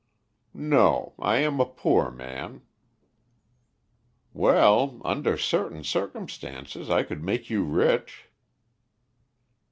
"No; I am a poor man." "Well, under certain circumstances, I could make you rich."